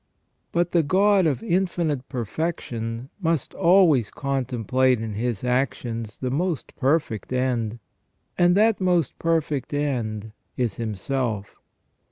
But the God of infinite perfection must always contemplate in His actions the most perfect end, and that most perfect end is Himself.